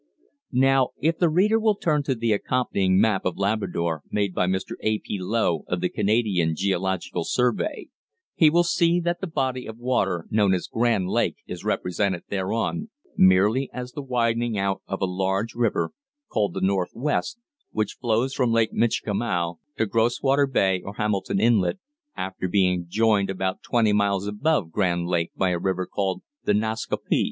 Now if the reader will turn to the accompanying map of Labrador made by Mr. A. P. Low of the Canadian Geological Survey, he will see that the body of water known as Grand Lake is represented thereon merely as the widening out of a large river, called the Northwest, which flows from Lake Michikamau to Groswater Bay or Hamilton Inlet, after being joined about twenty miles above Grand Lake by a river called the Nascaupee.